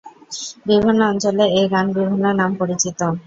বিভিন্ন অঞ্চলে এই গান বিভিন্ন নাম পরিচিত।